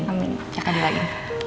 amin caka diri lagi